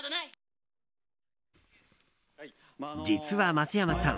実は松山さん